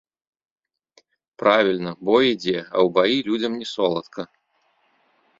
Правільна, бой ідзе, а ў баі людзям не соладка.